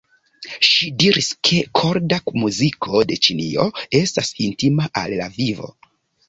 Ŝi diris, ke korda muziko de Ĉinio estas intima al la vivo.